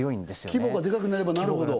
規模がでかくなればなるほど？